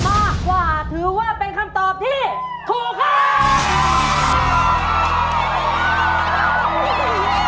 มากกว่าถือว่าเป็นคำตอบที่ถูกครับ